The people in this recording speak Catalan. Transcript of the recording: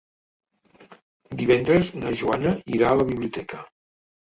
Divendres na Joana irà a la biblioteca.